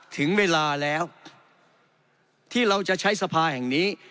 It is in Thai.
ถึงเวลาแล้วที่เราจะใช้สภาแห่งนี้